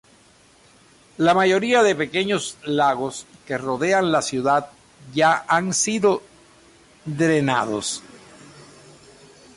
La mayoría de pequeños lagos que rodeaban la ciudad ya han sido drenados.